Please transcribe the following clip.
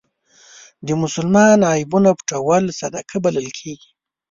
د مسلمان عیبونه پټول صدقه بلل کېږي.